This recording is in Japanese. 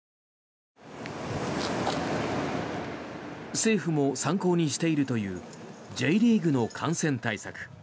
政府も参考にしているというＪリーグの感染対策。